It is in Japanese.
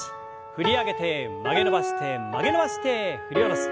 振り上げて曲げ伸ばして曲げ伸ばして振り下ろす。